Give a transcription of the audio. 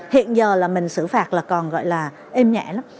hiện giờ là mình xử phạt là còn gọi là êm nhẹ lắm